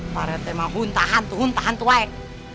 mereka mah hanta hantuan hantuan